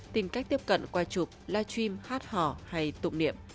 tìm cách tiếp cận quay chụp live stream hát hỏ hay tụng niệm